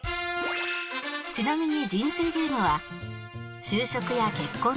ちなみに